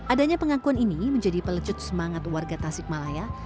adanya pengakuan ini menjadi pelecut semangat warga tasik malaya